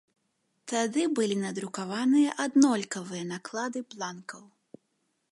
Тады былі надрукаваныя аднолькавыя наклады бланкаў.